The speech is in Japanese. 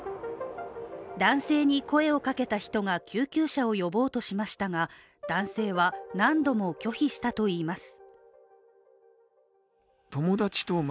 男性に声をかけた人が救急車を呼ぼうとしましたが男性は何度も拒否したといいます。